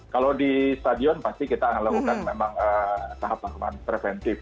kalau di stadion pasti kita akan lakukan memang tahap tahapan preventif